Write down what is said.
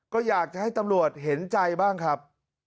ก็อยากจะให้ตำรวจเห็นใจบ้างครับ